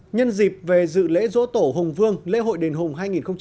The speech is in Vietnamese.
nhân dịp về dự lễ dỗ tổ hồng vương lễ hội đền hùng hai nghìn một mươi bảy